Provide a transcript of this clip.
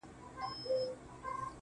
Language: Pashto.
o لکه کنگل تودو اوبو کي پروت يم.